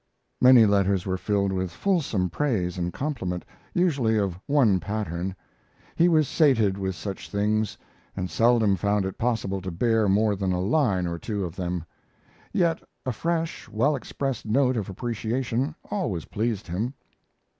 Many letters were filled with fulsome praise and compliment, usually of one pattern. He was sated with such things, and seldom found it possible to bear more than a line or two of them. Yet a fresh, well expressed note of appreciation always pleased him.